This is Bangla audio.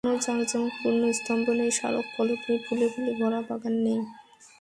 কোনো জাঁকজমকপূর্ণ স্তম্ভ নেই, স্মারক ফলক নেই, ফুলে-ফুলে ভরা বাগান নেই।